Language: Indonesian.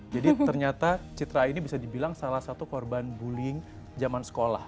jadi ternyata citra ini bisa dibilang salah satu korban bullying zaman sekolah